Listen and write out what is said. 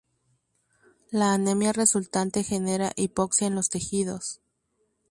La anemia resultante genera hipoxia en los tejidos.